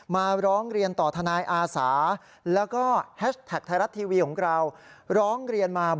มาร้องเรียนต่อทนายอาสาแล้วก็แฮชแท็กไทยรัฐทีวีของเราร้องเรียนมา